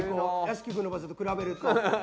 屋敷君の場所と比べると。